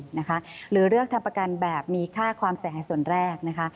หรือเลือกทำประกันแบบมีค่าความสะอาดส่วนแรก